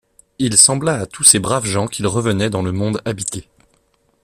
Il sembla à tous ces braves gens qu’ils revenaient dans le monde habité.